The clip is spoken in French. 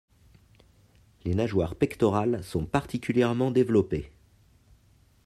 Les nageoires pectorales sont particulièrement développées.